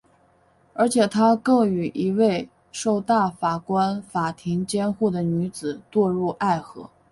而且他更与一名受大法官法庭监护的女子堕入爱河。